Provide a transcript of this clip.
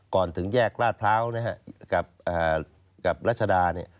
ก่อนถึงแยกราชพร้าวน์กับรัชดา